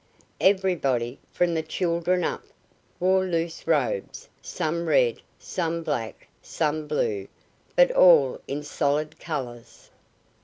Everybody, from the children up, wore loose robes, some red, some black, some blue, but all in solid colors.